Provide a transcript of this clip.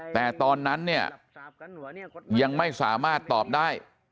แต่ตอนนั้นเนี่ยยังไม่สามารถตอบได้